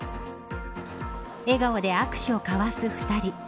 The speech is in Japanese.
笑顔で握手を交わす２人。